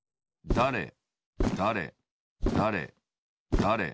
だれだれ